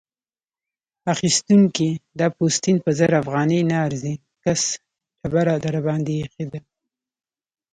اخيستونکی: دا پوستین په زر افغانۍ نه ارزي؛ کس ډبره درباندې اېښې ده.